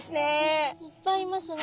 いっぱいいますね。